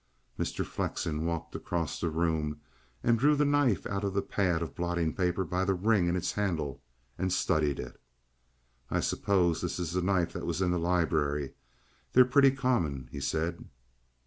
Mr. Flexen walked across the room and drew the knife out of the pad of blotting paper by the ring in its handle, and studied it. "I suppose this is the knife that was in the library? They're pretty common," he said.